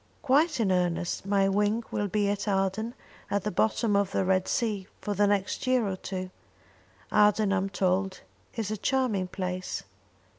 "Quite in earnest. My wing will be at Aden, at the bottom of the Red Sea, for the next year or two. Aden, I'm told, is a charming place."